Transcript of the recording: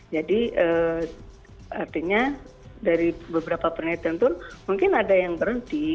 jadi artinya dari beberapa penelitian itu mungkin ada yang berhenti